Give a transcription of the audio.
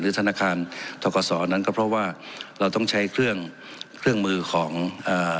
ธนาคารทกศนั้นก็เพราะว่าเราต้องใช้เครื่องเครื่องมือของอ่า